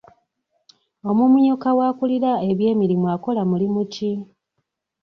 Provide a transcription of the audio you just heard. Omumyuka w'akulira eby'emirimu akola mulimu ki?